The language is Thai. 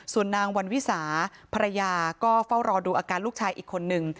ส่วนนางวันวิสาภรรยาก็เฝ้ารอดูอาการลูกชายอีกคนนึง